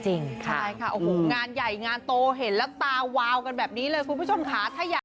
ใช่ค่ะโอ้โหงานใหญ่งานโตเห็นแล้วตาวาวกันแบบนี้เลยคุณผู้ชมค่ะ